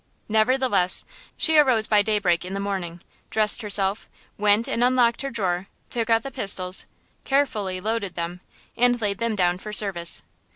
Nevertheless, she arose by daybreak in the morning, dressed herself, went and unlocked her drawer, took out the pistols, carefully loaded them, and laid them down for service.